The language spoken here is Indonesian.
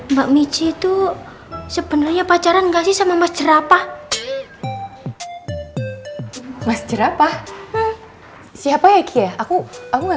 mbak michi itu sebenarnya pacaran gak sih sama mas jerapah mas jerapah siapa ya kia aku aku nggak